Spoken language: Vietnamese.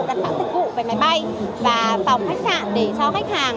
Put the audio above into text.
đặt bảng tịch vụ về máy bay và phòng khách sạn để cho khách hàng